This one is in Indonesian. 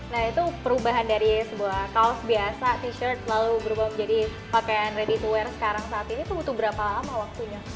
nah itu perubahan dari sebuah kaos biasa t shirt lalu berubah menjadi pakaian ready to wear sekarang saat ini tuh butuh berapa lama waktunya